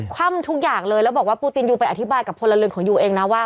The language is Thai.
คว่ำทุกอย่างเลยแล้วบอกว่าปูตินยูไปอธิบายกับพลเรือนของยูเองนะว่า